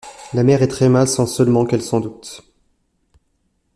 La mère est très mal sans seulement qu’elle s’en doute.